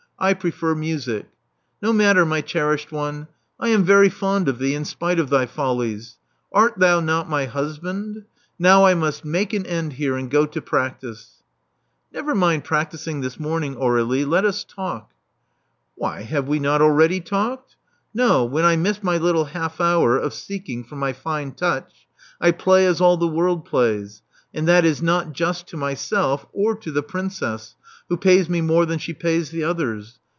I prefer music. No matter^ my cherished one : I am very fond of thee, in spite of thy follies. Art thou not my husband? Now I must make an end here, and go to practise." *' Never mind practising this morning, Aur^lie. Let us talk/' Why, have we not already talked? No, when I miss my little half hour of seeking for my fine touch, I play as all the world plays; and that is not just to myself, or to the Princess, who pays me more than she pays the others.